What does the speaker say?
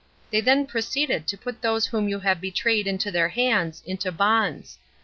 They then proceeded to put those whom you have betrayed into their hands into bonds.